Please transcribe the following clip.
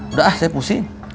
udah ah saya pusing